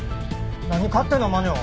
何勝手なまねを。